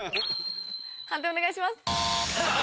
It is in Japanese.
判定お願いします。